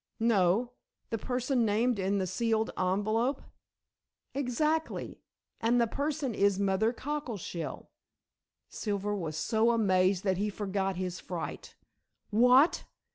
"No. The person named in the sealed envelope?" "Exactly, and the person is Mother Cockleshell." Silver was so amazed that he forgot his fright. "What?